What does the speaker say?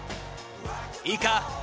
いいか？